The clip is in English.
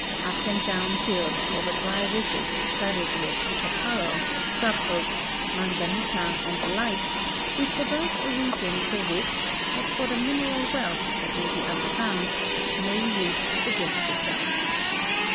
Up and down hill, over dr}^ ridges studded with chaparral, scrub oak, man zanita, and the like, we traverse a region for which, but for the mineral wealth that may be under ground, no use suggests itself.